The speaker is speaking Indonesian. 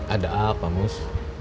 ada apa mus